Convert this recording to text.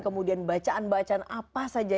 kemudian bacaan bacaan apa saja